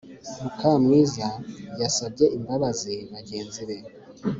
mukamwiza yasabye imbabazi bagenzibe